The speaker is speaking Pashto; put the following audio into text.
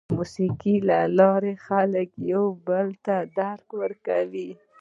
د موسیقۍ له لارې خلک یو بل درک کوي.